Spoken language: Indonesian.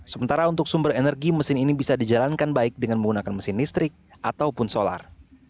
sementara untuk sumber energi mesin ini bisa dijalankan baik dengan menggunakan mesin listrik ataupun solar